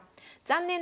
残念！